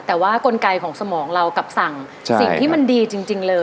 แต่ว่ากลไกของสมองเรากลับสั่งสิ่งที่มันดีจริงเลย